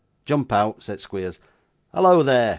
'Jump out,' said Squeers. 'Hallo there!